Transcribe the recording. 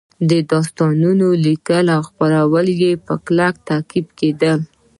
د داستانونو لیکل او خپرول په کلکه تعقیب کېدل